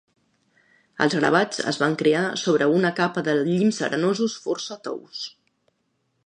Els gravats es van crear sobre una capa de llims arenosos força tous.